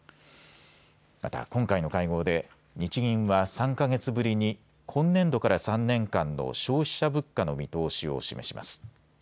また今回の会合で日銀は３か月ぶりに今年度から３年間の消費者物価の見通しを示します。